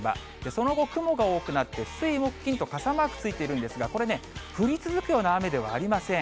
その後、雲が多くなって、水、木、金と傘マークついているんですが、これね、降り続くような雨ではありません。